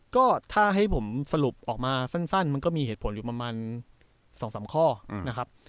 ก็ถ้าให้ผมสรุปออกมาสั้นมันก็มีเหตุผลอยู่ประมาณ๒๓ข้อนะครับ